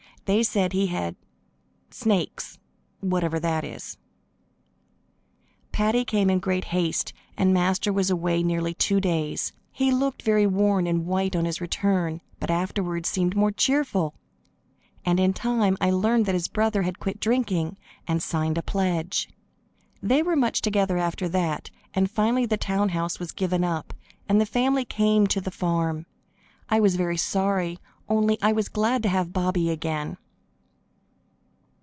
They said he had "snakes," whatever that is. Paddy came in great haste, and Master was away nearly two days. He looked very worn and white on his return, but afterward seemed more cheerful, and in time I learned that his brother had quit drinking and signed a pledge. They were much together after that, and finally the town house was given up, and the family came to the farm. I was very sorry, only I was glad to have Bobby again.